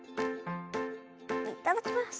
いただきます。